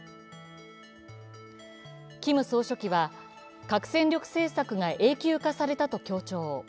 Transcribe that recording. キム総書記は、核戦力政策が永久化されたと強調。